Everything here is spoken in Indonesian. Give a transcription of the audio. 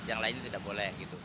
yang lain tidak boleh